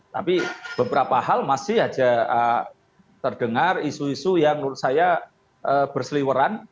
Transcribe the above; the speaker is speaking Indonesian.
tapi beberapa hal masih saja terdengar isu isu yang menurut saya berseliweran